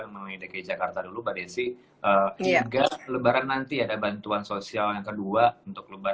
ngomong ide ke jakarta dulu pak desi tiga perebaran nanti ada bantuan sosial yang kedua untuk lebih